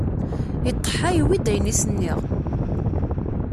Iṭḥa iwwi-d ayen i s-nniɣ.